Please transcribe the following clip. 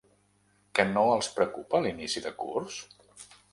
Que no els preocupa l’inici de curs?